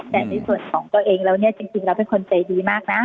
แต่ในส่วนของตัวเองแล้วเนี่ยจริงแล้วเป็นคนใจดีมากนะ